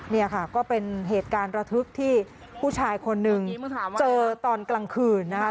นี่ค่ะก็เป็นเหตุการณ์ระทึกที่ผู้ชายคนหนึ่งเจอตอนกลางคืนนะคะ